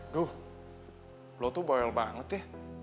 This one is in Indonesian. duh lo tuh boyol banget ya